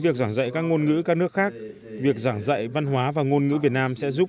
việc giảng dạy các ngôn ngữ các nước khác việc giảng dạy văn hóa và ngôn ngữ việt nam sẽ giúp